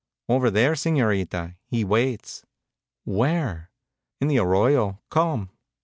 "Over there, Señorita, he waits." "Where?" "In the arroyo. Come."